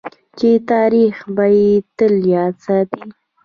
چې تاریخ به یې تل یاد ساتي.